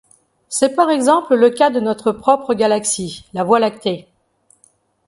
C’est par exemple le cas de notre propre galaxie, la Voie lactée.